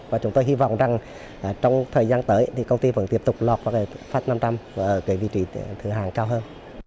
và chúng tôi hy vọng rằng trong thời gian tới thì công ty vẫn tiếp tục lọt vào fas năm trăm linh và ở cái vị trí thừa hàng cao hơn